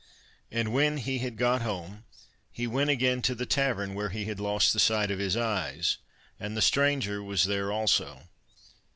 And when he had got home, he went again to the tavern where he had lost the sight of his eyes, and the stranger was there also.